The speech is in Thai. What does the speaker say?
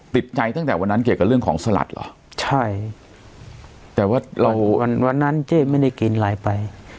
ติดใจตั้งแต่วันนั้นเกี่ยวกับเรื่องของสลัดเหรอใช่แต่ว่าเราวันนั้นเจ๊ไม่ได้กินไลน์ไป